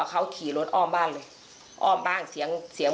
บ้านเบื้องมีคือมีแปล